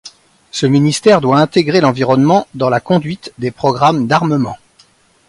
Ce ministère doit intégrer l’environnement dans la conduite des programmes d’armement.